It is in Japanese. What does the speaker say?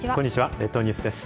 列島二ュースです。